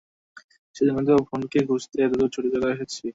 সেজন্যেই তো বোনকে খুঁজতে এত দূরে ছুটে চলে এসেছি।